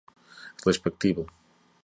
respectivo